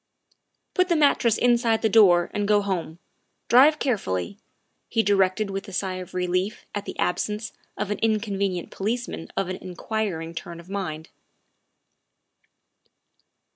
'' Put the mattress inside the door and go home ; drive carefully, '' he directed with a sigh of relief at the absence of an inconvenient policeman of an inquiring turn of mind.